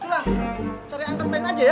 sudah cari angkatan aja ya